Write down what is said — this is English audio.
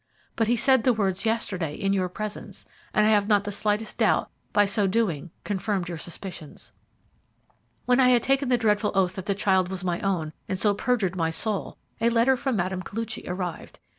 But he said the words yesterday in your presence, and I have not the slightest doubt by so doing confirmed your suspicions. When I had taken the dreadful oath that the child was my own, and so perjured my soul, a letter from Mme. Koluchy arrived.